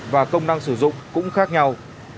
và công năng sử dụng cũng khác nhau